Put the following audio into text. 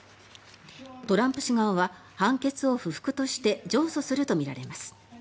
トランプ氏側は判決を不服として上訴するとみられます。